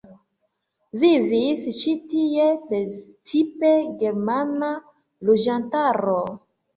Vivis ĉi tie precipe germana loĝantaro.